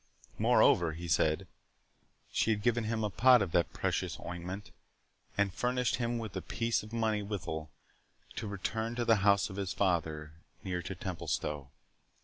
Moreover, he said, she had given him a pot of that precious ointment, and furnished him with a piece of money withal, to return to the house of his father, near to Templestowe.